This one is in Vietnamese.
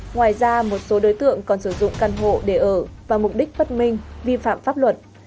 ngoài ra một số đối tượng còn sử dụng căn hộ để ở và mục đích bất minh vi phạm pháp luật